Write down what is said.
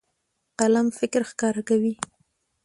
قلم فکر ښکاره کوي.